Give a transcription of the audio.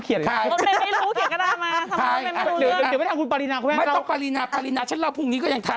เออแต่คุณอีกคนนึงเป็นนางเอก